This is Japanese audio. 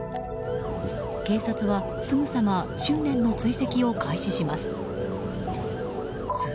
警察はすぐさま執念の追跡を開始します。